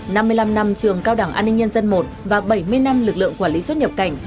năm mươi năm năm trường cao đảng an ninh nhân dân i và bảy mươi năm lực lượng quản lý xuất nhập cảnh